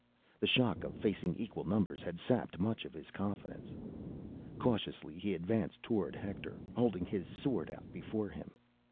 The shock of facing equal numbers had sapped much of his confidence. Cautiously, he advanced toward Hector, holding his sword out before him.